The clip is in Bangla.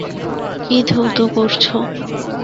কি ধৌত করছো?